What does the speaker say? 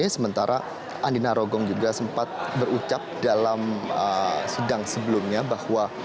sementara andi narogong juga sempat berucap dalam sidang sebelumnya bahwa